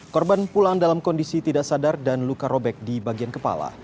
korban pulang dalam kondisi tidak sadar dan luka robek di bagian kepala